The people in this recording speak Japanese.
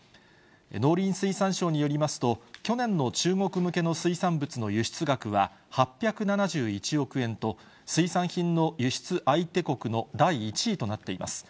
農林水産省によりますと、去年の中国向けの水産物の輸出額は、８７１億円と、水産品の輸出相手国の第１位となっています。